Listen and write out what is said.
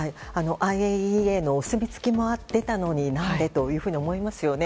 ＩＡＥＡのお墨付きも出たのに何で？と思いますよね。